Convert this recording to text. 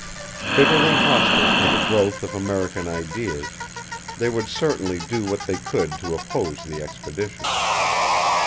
Bitterly hostile to the growth of American ideas, they would certainly do what they could to oppose the expedition.